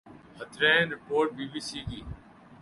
ہترین report B B C کی